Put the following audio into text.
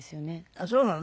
あっそうなの。